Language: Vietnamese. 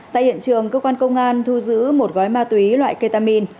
tại hiện trường cơ quan công an thu giữ một gói ma túy loại ketamin